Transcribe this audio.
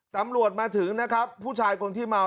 ตำรวจมาถึงนะครับผู้ชายคนที่เมา